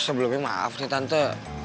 sebelumnya maaf nih tante